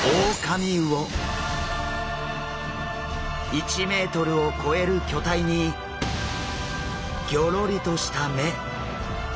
１ｍを超える巨体にギョロリとした目。